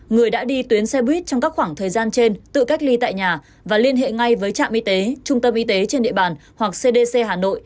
người đã đi tuyến xe buýt trong các khoảng thời gian trên tự cách ly tại nhà và liên hệ ngay với trạm y tế trung tâm y tế trên địa bàn hoặc cdc hà nội